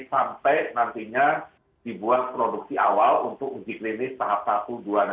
sampai nantinya dibuat produksi awal untuk uji klinis tahap satu dua enam